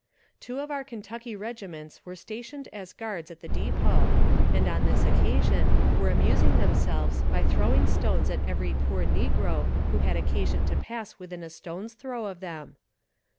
Two of our Kentucky regiments were stationed as guards at the depot, and on this occasion were amusing themselves by throwing stones at every poor negro who had occasion to pass within a stone's throw of them.